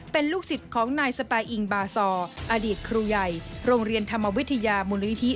เป็นลูกศิษย์ของนายสปาอิงบาซอร์อดีตครูใหญ่โรงเรียนธรรมวิทยามูลนิธิ